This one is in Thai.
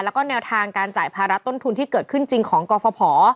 แล้วก็แนวทางการจ่ายภาระต้นทุนที่เกิดขึ้นจริงของกรฟภ